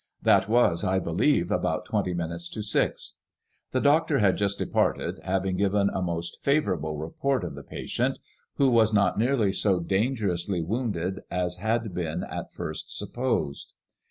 That was, I be lieve, about twenty minutes to six. The doctor had just de parted, having given a most favourable report of the patient, who was not nearly so dan gerously wounded as had been at first supposed.